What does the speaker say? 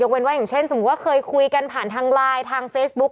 เว้นว่าอย่างเช่นสมมุติว่าเคยคุยกันผ่านทางไลน์ทางเฟซบุ๊ค